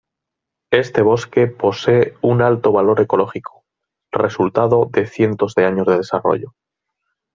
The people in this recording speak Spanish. Este bosque posee un alto valor ecológico, resultado de cientos de años de desarrollo.